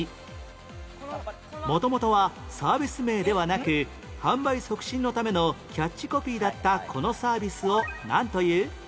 元々はサービス名ではなく販売促進のためのキャッチコピーだったこのサービスをなんという？